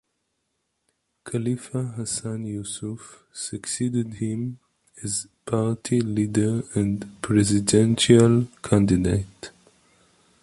Khalifa Hassan Yusuf succeeded him as party leader and presidential candidate.